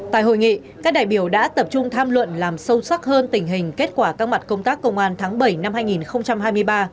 tại hội nghị các đại biểu đã tập trung tham luận làm sâu sắc hơn tình hình kết quả các mặt công tác công an tháng bảy năm hai nghìn hai mươi ba